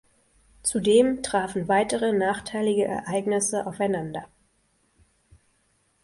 Zudem trafen weitere nachteilige Ereignisse aufeinander.